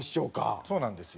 そうなんですよ。